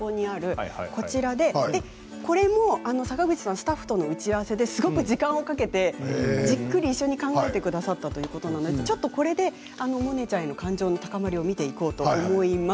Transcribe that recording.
これも坂口さんスタッフとの打ち合わせですごく時間をかけてじっくり一緒に考えてくださったということなのでこれでモネちゃんへの感情の高まりを見ていきましょう。